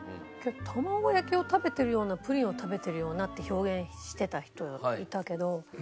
玉子焼を食べてるようなプリンを食べてるようなって表現してた人いたけど。